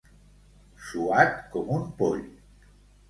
Suat com un poll.